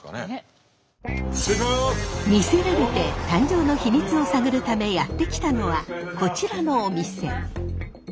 誕生の秘密を探るためやって来たのはこちらのお店。